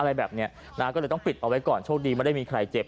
อะไรแบบเนี้ยนะก็เลยต้องปิดเอาไว้ก่อนโชคดีไม่ได้มีใครเจ็บ